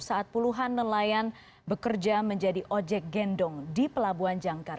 saat puluhan nelayan bekerja menjadi ojek gendong di pelabuhan jangkar